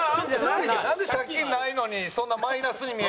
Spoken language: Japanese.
なんで借金ないのにそんなマイナスに見えるの？